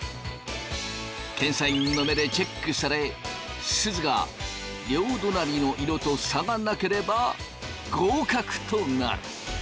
検査員の目でチェックされすずが両隣の色と差がなければ合格となる。